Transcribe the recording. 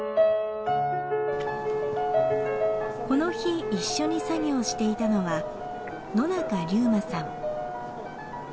この日一緒に作業していたのは野中瑠馬さん。